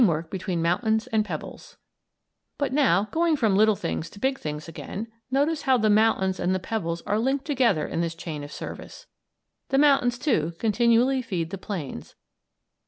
] TEAMWORK BETWEEN MOUNTAINS AND PEBBLES But now, going from little things to big things again, notice how the mountains and the pebbles are linked together in this chain of service. The mountains, too, continually feed the plains.